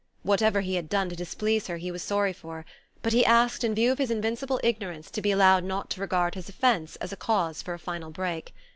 Whatever he had done to displease her, he was sorry for; but he asked, in view of his invincible ignorance, to be allowed not to regard his offence as a cause for a final break.